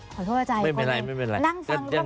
ขอโทษอาจารย์คนหนึ่งนั่งฟังรูปกันกันนะไม่เป็นไร